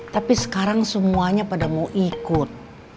tapi sekarang semuanya pada mau ikut